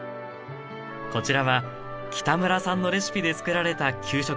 こちらは北村さんのレシピでつくられた給食です。